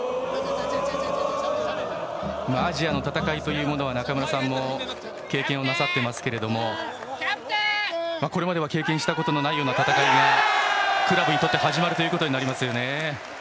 アジアの戦いというものは中村さんも経験なさっていると思いますけどこれまでに経験したことがないような戦いがクラブにとって始まることになりますね。